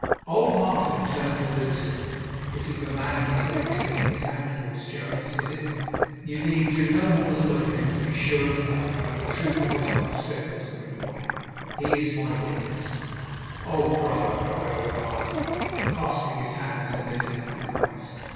Old Martin turned to Lewsome: 'This is the man,' he said, extending his hand towards Jonas. 'Is it?' 'You need do no more than look at him to be sure of that, or of the truth of what I have said,' was the reply. 'He is my witness.' 'Oh, brother!' cried old Martin, clasping his hands and lifting up his eyes.